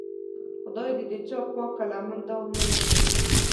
خدای دې د چا پاکه لمن داغ نه لګوي.